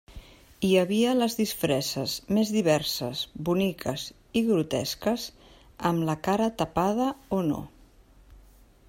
Hi havia les disfresses més diverses, boniques i grotesques amb la cara tapada o no.